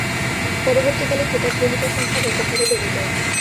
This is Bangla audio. পরবর্তীকালে খেতাব গ্রহীতার সংখ্যা ব্যাপক হারে বেড়ে যায়।